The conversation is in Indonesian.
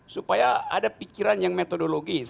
supaya ada pikiran yang metodologis